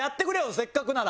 せっかくなら。